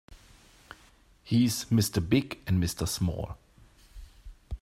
He's Mr. Big and Mr. Small.